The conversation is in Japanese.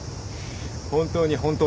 本当に本当だ。